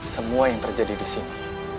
semua yang terjadi di sini